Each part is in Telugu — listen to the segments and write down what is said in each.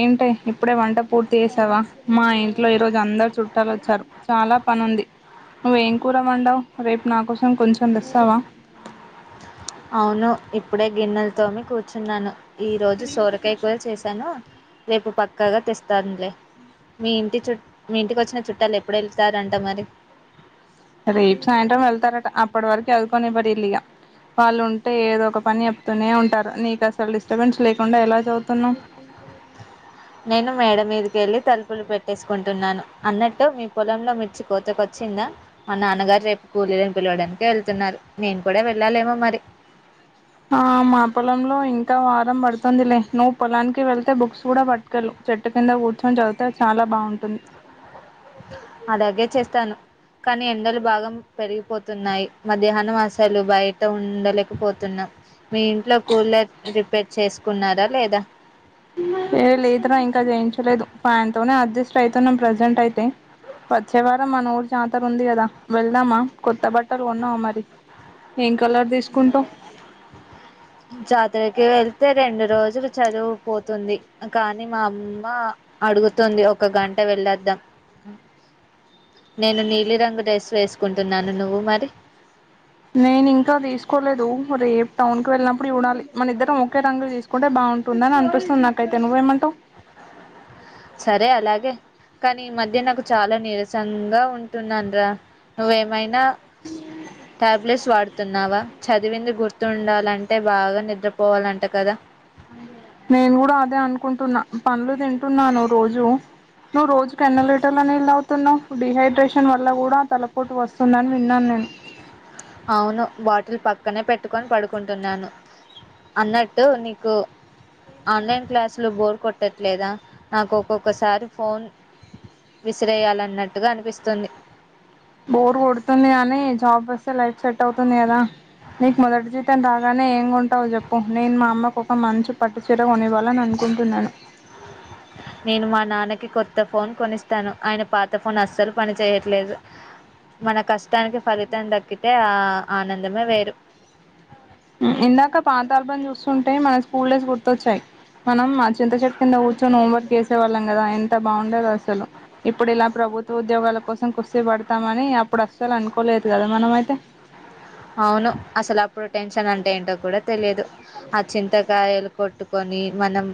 ఏంటే ఇప్పుడే వంట పూర్తి చేసావా మా ఇంట్లో ఈరోజు అందరు చుట్టాలు వచ్చారు చాలా పని ఉంది నువ్ ఏంకూర వండావు రేపు నా కోసం కొంచెం తెస్తావా అవును ఇప్పుడే గిన్నెలతోమి కూర్చున్నాను ఈ రోజు సోరకాయ కూర చేశాను రేపు పక్కాగా తెస్తానులే మీ ఇంటి చు మీ ఇంటికి వచ్చిన చుట్టాలు ఎప్పుడు వెళ్తారంట మరి రేపు సాయంత్రం వెళ్తారట అప్పటి వరకు చదువుకొనివ్వారు ఇగ వాళ్ళు ఉంటే ఏదో ఒక పని చెప్తూనే ఉంటారు నీకు అసలు డిస్టర్బెన్స్ లేకుండా ఎలా చదువుతున్నావ్ నేను మేడ మీదక వెళ్ళి తలుపులు పెట్టేసుకుంటున్నాను అన్నట్టు మీ పొలంలో మిర్చి కోతకొచ్చిందా మా నాన్నగారు రేపు కూలీలని పిలవడానికి వెళ్తున్నారు నేను కూడా వెళ్ళాలేమో మరి ఆ మా పొలంలో ఇంకా వారం పడుతుందిలే నువ్వు పొలానికి వెళ్తే బుక్స్ కూడా పట్టుకెళ్ళు చెట్టు కింద కూర్చొని చదివితే చాలా బాగుంటుంది అలాగే చేస్తాను కానీ ఎండలు బాగా పెరిగిపోతున్నాయి మధ్యాహ్నం అసలు బయట ఉండలేకపోతున్నాం మీ ఇంట్లో కూలర్ రిపేర్ చేసుకున్నారా లేదా ఏ లేదురా ఇంకా చేయించలేదు ఫ్యాన్తోనీ అడ్జస్ట్ అవుతన్నాం ప్రెజెంట్ అయితే వచ్చే వారం మన ఊరు జాతర ఉంది కదా వెళ్దామా కొత్త బట్టలు కొన్నావా మరి ఏం కలర్ తీసుకుంటావ్ జాతరకే వె ళ్తే రెండు రోజులు చదువుపోతుంది కానీ మా అమ్మ అడుగుతుంది ఒక గంట వెళ్ళొద్దాం నేను నీలి రంగు డ్రెస్సు వేసుకుంటున్నాను నువ్వు మరి నేను ఇంకా తీసుకోలేదు రేపు టౌన్ కి వెళ్ళినప్పుడు చూడాలి మన ఇద్దరం ఒకే రంగులు తీసుకుంటే బాగుంటుందని అనిపిస్తుంది నాకైతే నువ్వేమంటావ్ సరే అలాగే కానీ ఈ మధ్య నాకు చాలా నీరసంగా ఉంటున్నానరా నువ్వేమైనా టాబ్లెట్స్ వాడుతున్నావా చదివింది గుర్తుండాలంటే బాగా నిద్రపోవాలంట కదా కుంటున్నాను రోజు నువ్వు రోజుకి ఎన్ని లీటర్ల నీళ్ళు తాగుతావ్ తున్నావ్ డిహైడ్రేషన్ వల్ల కూడా తలపోటు వస్తుందని విన్నాను నేను అవును బాటిల్ పక్కనే పెట్టుకొని పడుకుంటున్నాను అన్నట్టు నీకు ఆన్లైన్ క్లాసులు బోర్ కొట్టట్లేదా నాకు ఒక్కొక్కసారి ఫోన్ విసిరేయాలన్నట్టుగా అనిపిస్తుంది బోర్ కొడుతుంది కానీ జాబ్ వస్తే లైఫ్ సెట్ అవుతుంది కదా నీకు మొదటి జీతం రా రాగానే ఏం కొంటావు చెప్పు నేను మా అమ్మకు ఒక మంచి పట్టు చీర కొనివ్వాలని అనుకుంటున్నాను నేను మా నాన్నకి కొత్త ఫోన్ కొనిస్తాను ఆయన పాత ఫోన్ అస్సలు పనిచేయట్లేదు మన కష్టానికి ఫలితం దక్కితే ఆ ఆనందమే వేరు ఇందాక పాతాలపం చూస్తుంటే మన స్కూల్ డేస్ గుర్తొచ్చాయి మనం మా చింత చెట్టు కింద కూర్చొని హోంవర్క్ చేసేవాళ్ళం కదా ఎంత బాగుండేదో అసలు ఇప్పుడు ఇలా ప్రభుత్వ ఉద్యోగాల కోసం కుస్తీ పడతామని అప్పుడు అస్సలు అనుకోలేదు కదా మనం అయితే అవును అసలు అప్పుడు టెన్షన్ అంటే ఏంటో కూడా తెలియదు ఆ చింతగాయలు కొట్టు పట్టుకొని మనం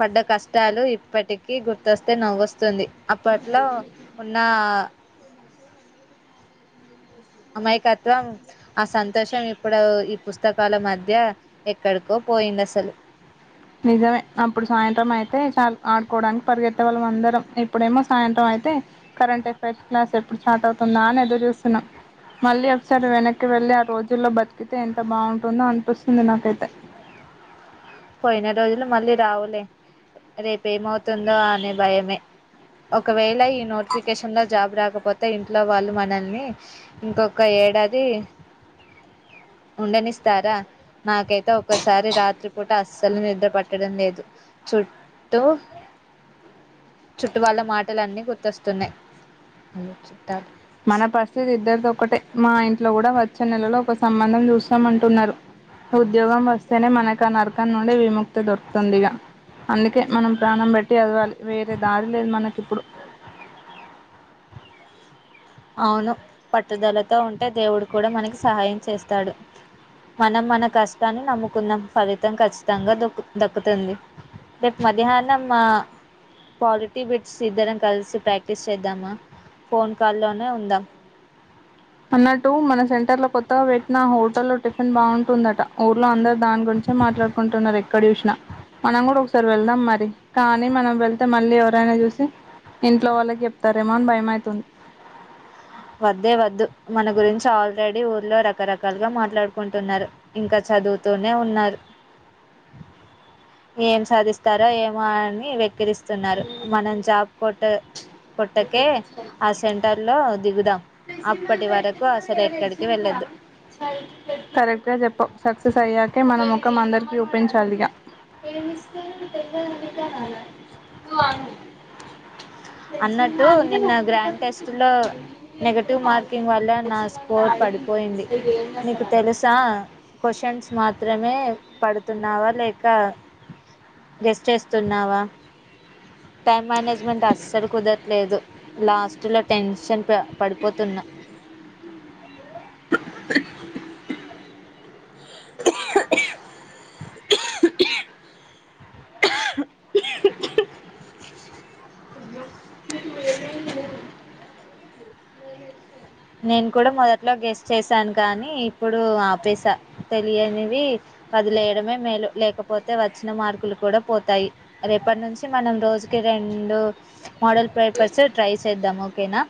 పడ్డ కష్టాలు ఇప్పటికీ నవ్వొ స్తుంది అప్పట్లో ఉన్న అమాయకత్వం ఆ సంతోషం ఇప్పుడు ఈ పుస్తకాల మధ్య ఎక్కడికో పోయింది అసలు నిజమే అప్పుడు సాయంత్రం అయితే చాలు ఆడుకోవడానికి పరిగెత్తే వాళ్ళం అందరం ఇప్పుడేమో సాయంత్రం అయితే కరెంట్ ఎఫెర్స్ క్లాస్ ఎప్పుడు స్టార్ట్ అవుతుందా అని ఎదురు చూస్తున్నాం మళ్ళీ ఒకసారి వెనక్కి వెళ్ళి ఆ రోజుల్లో బతికితే ఎంత బాగుంటుందో అనిపిస్తుంది నాకైతే పోయిన రోజులు మళ్ళీ రావులే రేపు ఏమవుతుందో అనే భయమే ఒకవేళ ఈ నోటిఫికేషన్లో జాబ్ రాకపో కొత్త ఇంట్లో వాళ్ళు మనల్ని ఇంకొక ఏడాది ఉండనిస్తారా నాకైతే ఒక్కసారి రాత్రి కూడా అస్సలు నిద్ర పట్టడం లేదు చుట్టూ చుట్టూ వాళ్ల మాటలున్నీ గుర్తొస్తున్నాయి చుట్టాలు మన పరిస్థితి ఇద్దరితో ఒకటే మా ఇంట్లో కూడా వచ్చే నెలలో ఒక సంబంధం చూస్తాంమంటున్నారు ఉద్యోగం వస్తేనే మనకు ఆ నరకం నుండి విముక్తి దొరుకుతుంది ఇగా అందుకే మనం ప్రాణం పెట్టి చదవాలి వేరే దారి లేదు మనకి ఇప్పుడు అవును పట్టుదలతో ఉంటే దేవుడు కూడా మనకి సహాయం చేస్తాడు మనం మన కష్టాన్ని నమ్ముకుందాం ఫలితం ఖచ్చితంగా దక్కు దక్కుతుంది రేపు మధ్యాహ్నం మా పాలిటీ బిట్స్ ఇద్దరం కలిసి ప్రాక్టీస్ చేద్దామా ఫోన్ కాల్ లో ఉందా అన్నట్టు మన సెంటర్ లో కొత్తగా పెట్టిన హోటల్ లో టిఫిన్ బాగుంటుందట ఊర్లో అందరు దాని గురించే మాట్లాడుకుంటున్నారు ఎక్కడ చూసినా మనం కూడా ఒకసారి వెళ్దాం మ కానీ మనం వెళ్తే మళ్ళీ ఎవరైనా చూసి ఇంట్లో వాళ్ళకి చెప్తారేమో అని భయ మవుతుంది వద్దే వద్దు మన గురించి ఆల్రెడీ ఊర్లో రకరకాలుగా మాట్లాడుకుంటున్నారు ఇంకా చదువుతూనే ఉన్నారు ఏం సాధిస్తారో ఏమో అని వెక్కిరిస్త స్తున్నారు మనం జాబ్ కొట్ట కొట్టకే ఆ సెంటర్ లో ఎక్కడికి వెళ్ళొద్దు కరెక్ట్ గా చెప్పవ్ సక్సస్ అయ్యాక మన ముఖం అందరికి ఒప్పించాలిగా [unintelligible] అన్నట్టు నిన్న గ్రాండ్ టెస్ట్లో నెగటివ్ మార్కింగ్ వల్ల నా స్కోర్ పడిపోయింది నీకు తెలుసా క్వశ్చన్స్ మాత్రం మాత్రమే పడుతున్నావా లేక గెస్ చేస్తున్నావా టైం మేనేజ్మెంట్ అస్సలు కుదరట్లేదు లాస్ట్ లో టెన్షన్ పడిపోతున్నా నేను కూడా మొదట్లో గెస్ చేశాను కానీ ఇప్పుడు ఆపేస తెలియనివి వదిలేయడమే మేలు లేకపోతే వచ్చిన మార్కులు కూడా పోతాయి రేపటి నుంచి మనం రోజుకి రెండు మోడల్ పేపర్స్ ట్రై చేద్దాం ఓకేనా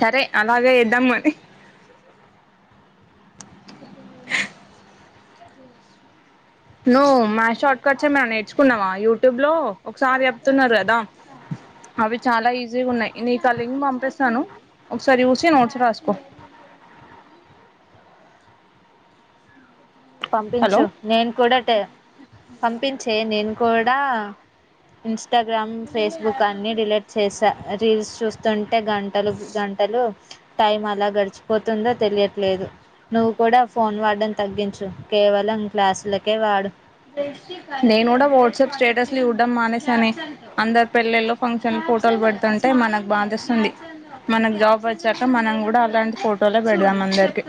సరే అలాగే ఇద్దాం అని నువ్వు మా షార్ట్ కట్స్ ఏ మే నేర్చుకున్నావా యూట్యూబ్ లో ఒకసారి చెప్తున్నారు కదా అవి చాలా ఈజీగా ఉన్నాయి నీ కలింగ్ పంపిస్తాను ఒకసారి చూసి నోట్స్ రాసుకో హలో పంపించు నేను కూడాటే పంపించే నేను కూడా ఇన్స్ ఇన్స్టాగ్రామ్ ఫేస్బుక్ అన్ని డిలీట్ చేసా రీల్స్ చూస్తుంటే గంటలు గంటలు టైం అలా గడిచిపోతుందో తెలియట్లేదు నువ్వు కూడా ఫోన్ వాడడం తగ్గించు కేవలం క్లాసులకే వాడు నేను కూడా వాట్సాప్ స్టేటస్లు ఇవడం మానేసా అని అందరు పెళ్లల్లో ఫంక్షన్ ఫోటోలు పెడుతుంటే మనకు బాధిస్తుంది మనకు జాబ్ వచ్చాక మనం కూడా అలాంటి ఫోటోలే పెడదాం అందరికి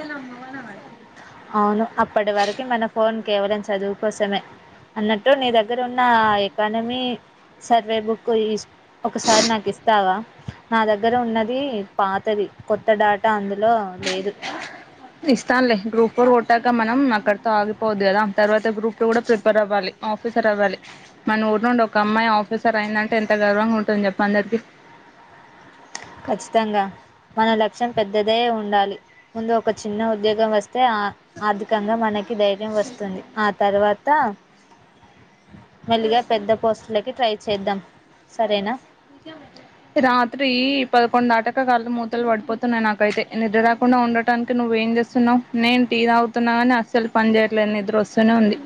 అవును అప్పటి వరకు మన ఫోన్ కేవలం చదువుకోసమే అన్నట్టు నీ దగ్గర ఉన్న ఆ ఎకానమీ సర్వే బుక్ ఒకసారి నాకు ఇస్తావా నా దగ్గర ఉన్నది పాతది కొత్తడేటా అందులో లేదు ఇస్తానులే గ్రూప్ ఫోర్ కొట్టాక మనం అక్కడతో ఆగిపోవద్దు కదా తర్వాత గ్రూప్ టూ కూడా ప్రిపేర్ అవ్వాలి ఆఫీసర్ అవ్వాలి మన ఊరి నుండి ఒక అమ్మాయి ఆఫీసర్ అయిందంటే ఎంత గర్వంగా ఉంటుంది చెప్ప అందరికి ఖచ్చితంగా మన లక్ష్యం పెద్దదే ఉండాలి ముందు ఒక చిన్న ఉద్యోగం వస్త అయితే ఆ ఆర్థికంగా మనకి ధైర్యం వస్తుంది ఆ తర్వాత వాతా మేళ్ళీగా పెద్ద పోస్ట్లకి ట్రై చేద్దాం సరేనా రాత్రి పదకొండు దాటకా కళ్ళు మూతలు పడిపోతున్నయి నాకైతే నిద్ర రాకుండా ఉండటానికి నువ్ ఏం చేస్తున్నావ్ నేను టీ తాగుతున్నా కాని అస్సలు పని చేయట్లేదు నిద్ర వస్తూనే ఉంది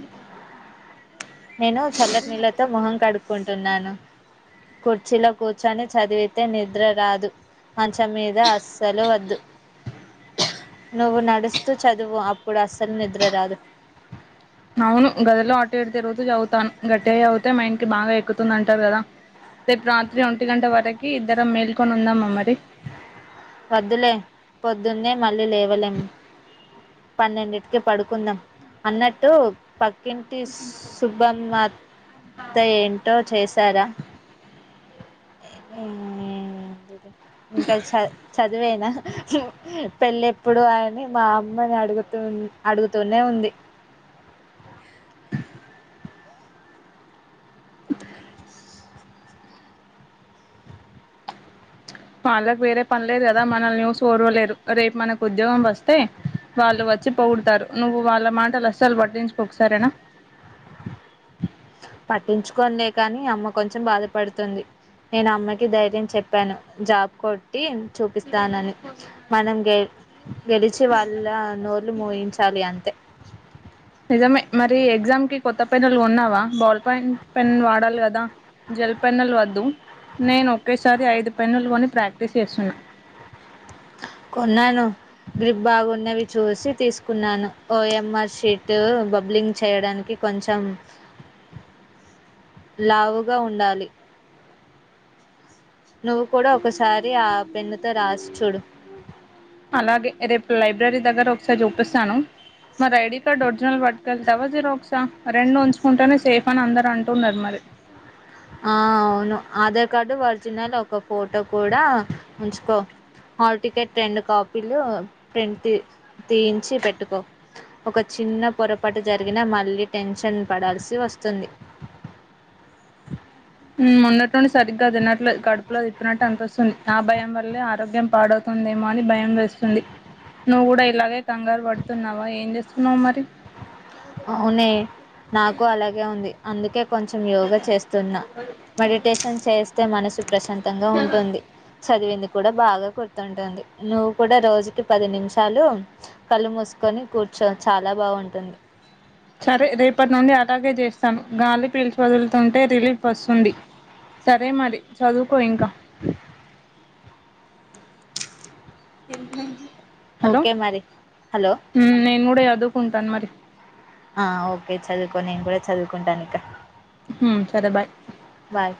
నేను చల్లటి నీళ్ళైతే మొహం కడుగు కుంటున్నాను కుర్చీలో కూర్చొని చదివితే నిద్రరాదు మంచం మీద అస్సలు వద్దు నువ్వు నడుస్తూ చదువు అప్పుడు అస్సలు నిద్ర రాదు అవును గదిలో అటు ఇటు తిరుగుతూ చదువుతాను గట్టిగ చదువుతే మైండ్ కి బాగా ఎక్కుతుంది అంట కదా రేపు రాత్రి ఒంటి గంట వరకి ఇద్దరం మేల్కొని ఉందామా మరి వద్దులే పొద్దున్నే మళ్ళీ లేవలేం పన్నెండింటికి పడుకుందాం అన్నట్టు పక్కింటి సుబ్భమత్త ఏంటో చేశారా ఏ ఇంకా చ దువేనా పెళ్లేప్పుడు అని మా అమ్మని అడుగుతూ అడుగుతూనే ఉంది వాళ్ళకు వేరే పనిలేదు కదా మనల్నీ ఓరవలేరు రేపు మనకు ఉద్యోగం వస్తే వాళ్ళు వచ్చి పోగుడుతారు నువ్వు వాళ్ళ మాటలు అస్సలు పట్టించుకోకు సరేనా పట్టించుకోనులే కానీ అమ్మ కొంచెం బాధపడుతుంది నేను అమ్మకి ధైర్యం చెప్పాను జాబ్ కొట్టి చూపిస్తానని మనం గె గెలిచి వాళ్ళ నోళ్లు మూయించాలి అంతే నిజమే మరి ఎగ్జామ్ కి కొత్త పెన్నులు కొన్నావా బాల్ పెన్ వాడాలి కదా జెల్పెన్నులు వద్దు నేనొకేసారి అయిదు పెన్నులు కొని ప్రాక్టీస్ చేస్తున్నా కొన్నాను గ్రిప్ బాగున్నవి చూసి తీసుకున్నాను ఓఎంఆర్ షీట్ బబ్లింగ్ చేయడానికి కొంచెం లావుగా ఉండాలి నువ్వు కూడా ఒకసారి ఆ పెన్నుతో రాసిచుడు అలాగే రేపు లైబ్రరీ దగ్గర ఒకసారి చూపిస్తాను మరి ఐడి కార్డ్ ఒరిజినల్ పట్టుకేలతవ జిరాక్సా రెండు ఉంచుకుంటేనే సేఫ్ అని అందరు అంటున్నారు మరి ఆ అవును ఆధార్ కార్డు ఒరిజినల్ ఒక ఫోటో కూడా ఉంచుకో హాల్ టికెట్ రెండు కాపీలు ప్రింట్ తీయించి పెట్టుకో ఒక చిన్న పొరపాటు జరిగినా మళ్ళీ టెన్షన్ పడాల్సి వస్తుంది మొన్నటి నుండి సరిగ్గ తినట్లే కడుపులో తిప్పినట్టు అనిపిస్తుంది ఆ భయం వల్లే ఆరోగ్యం పాడవుతుందేమో అని భయం వేస్తుంది నువ్వు కూడా ఇలాగే కంగారు పడుతున్నావా ఏం చేస్తున్నావు మరి అవునే నాకు అలాగే ఉంది అందుకే కొంచెం యోగా చేస్తున్నా మెడిటేషన్ చేస్తే మనసు ప్రశాంతంగా ఉంటుంది చదివెందుకు కూడా బాగా గుర్తుంటుంది నువ్వు కూడా రోజుకి పది నిమిషాలు కళ్ళు మూసుకొని కూర్చో చాలా బాగుంటుంది సరే రేపటి నుండి అలాగే చేస్తాను గాలి పీల్చి వదులుతుంటే రిలీఫ్ వస్తుంది సరే మరి చదుకో ఇంకా ఇంకా హలో ఓకే మరి హలో హు నేను కూడా చదుకుంటాను మరి అే చదువుకో నేను కూడా చదువుకుంటాను ఇక హ్మ్మ్ సరే బాయ్ బాయ్